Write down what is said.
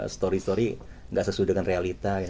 story story nggak sesuai dengan realita